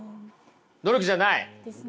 努力じゃない。